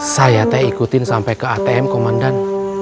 saya teh ikutin sampai ke atm komandan